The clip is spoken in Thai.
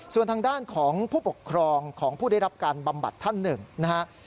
ส่วนทางด้านของผู้ปกครองของผู้ได้รับการบำบัดท่านหนึ่งนะฮะ